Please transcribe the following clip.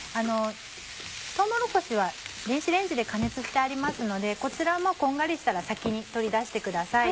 とうもろこしは電子レンジで加熱してありますのでこちらもこんがりしたら先に取り出してください。